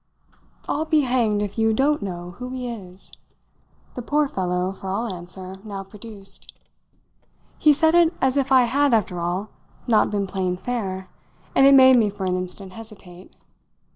"I'll be hanged if you don't know who he is!" the poor fellow, for all answer, now produced. He said it as if I had, after all, not been playing fair, and it made me for an instant hesitate.